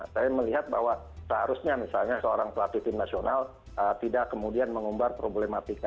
saya melihat bahwa seharusnya misalnya seorang pelatih tim nasional tidak kemudian mengumbar problematika